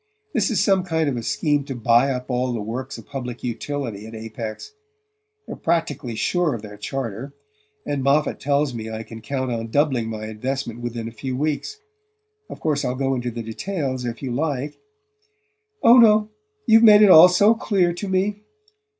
This is some kind of a scheme to buy up all the works of public utility at Apex. They're practically sure of their charter, and Moffatt tells me I can count on doubling my investment within a few weeks. Of course I'll go into the details if you like " "Oh, no; you've made it all so clear to me!"